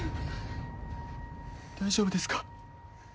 大丈夫ですか？